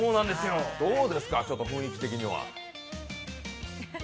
どうですか、雰囲気的には？